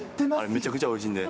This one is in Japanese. めちゃくちゃおいしいんで。